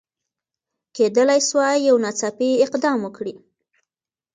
کېدلای سوای یو ناڅاپي اقدام وکړي.